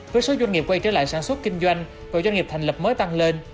với số doanh nghiệp quay trở lại sản xuất kinh doanh và doanh nghiệp thành lập mới tăng lên